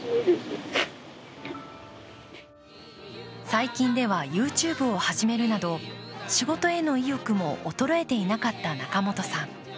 最近ではＹｏｕＴｕｂｅを始めるなど、仕事への意欲も衰えていなかった仲本さん。